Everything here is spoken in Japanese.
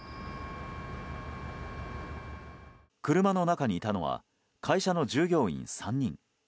車の中にいたのは会社の従業員３人。